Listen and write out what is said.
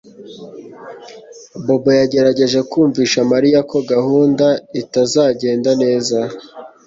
Bobo yagerageje kumvisha Mariya ko gahunda itazagenda neza